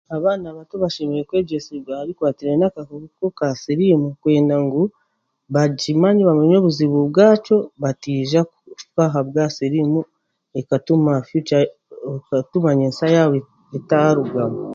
Abaana bato bashemereire kw'egyesebwa aha bikwatine n'akakooko ka siriimu kwenda ngu bagimanye bamanye obuzibu bwakyo batiija kufa aha bwa siriimu ekatuma ny'ensya yabo etarugamu.